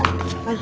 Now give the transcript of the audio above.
あ！